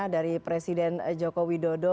dari presiden jokowi dodo